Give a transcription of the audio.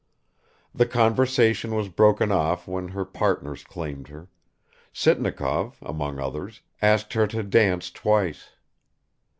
The conversation was broken off when her partners claimed her; Sitnikov, among others, asked her to dance twice.